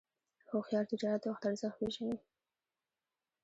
هوښیار تجارت د وخت ارزښت پېژني.